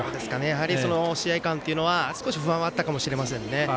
やはり試合間っていうのは不安はあったかもしれませんね。